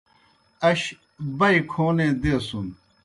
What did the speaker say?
اش بئی کھونے دیسُن۔